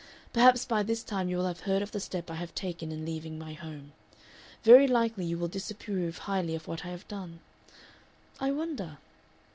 "Perhaps by this time you will have heard of the step I have taken in leaving my home. Very likely you will disapprove highly of what I have done I wonder?